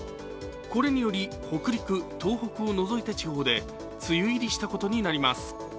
これにより北陸、東北を除いた地方で梅雨入りしたことになります。